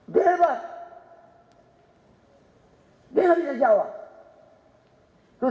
siapa yang saya jantung